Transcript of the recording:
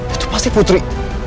itu pasti putri